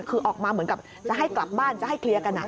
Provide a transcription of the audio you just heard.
คือออกมาเหมือนกับจะให้กลับบ้านจะให้เคลียร์กัน